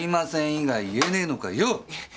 以外言えねえのかよっ！